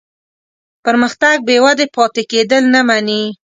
پرمختګ بېودې پاتې کېدل نه مني.